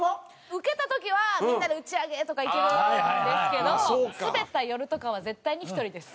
ウケた時はみんなで打ち上げとか行けるんですけどスベった夜とかは絶対に１人です。